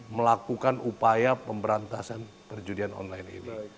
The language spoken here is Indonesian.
melakukan upaya pemberantasan perjudian online ini